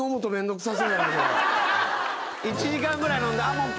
１時間ぐらい飲んでもう。